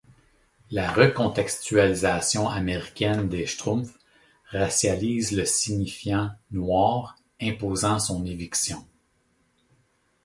La recontextualisation américaine des Schtroumpfs racialise le signifiant “noir”, imposant son éviction.